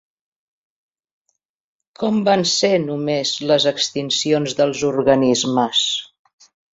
Com van ser només les extincions dels organismes?